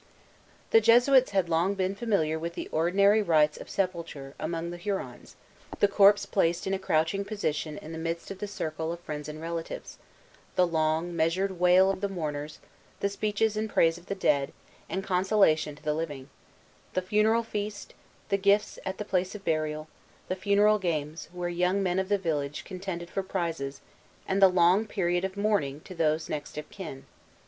The Jesuits had long been familiar with the ordinary rites of sepulture among the Hurons: the corpse placed in a crouching posture in the midst of the circle of friends and relatives; the long, measured wail of the mourners; the speeches in praise of the dead, and consolation to the living; the funeral feast; the gifts at the place of burial; the funeral games, where the young men of the village contended for prizes; and the long period of mourning to those next of kin.